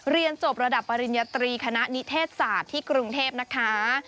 เรียนจบระดับปริญญาตรีคณะนิเทศศาสตร์ที่กรุงเทพนะคะ